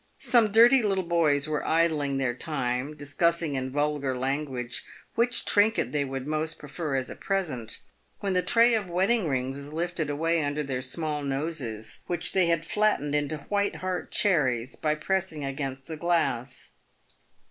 Some dirty little boys were idling their time, discussing, in vulgar language, which trinket they would most prefer as a present, when the tray of wedding rings was lifted away from under their small noses, which they had flattened into whiteheart cherries by pressing against the glass.